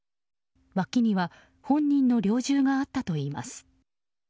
脇には本人の猟銃があったといいます。